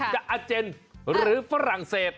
อาเจนหรือฝรั่งเศส